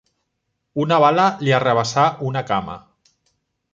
Una bala li arrabassà una cama.